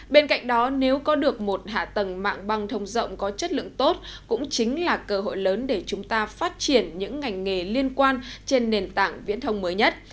bên cạnh đó nếu có được một hạ tầng mạng băng thông rộng có chất lượng tốt cũng chính là cơ hội lớn để chúng ta phát triển những ngành nghề liên quan trên nền tảng viễn thông mới nhất